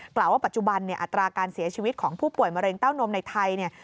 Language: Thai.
กล่าวว่าปัจจุบันเนี่ยอัตราการเสียชีวิตของผู้ป่วยมะเร็งเต้านมในไทยเนี่ย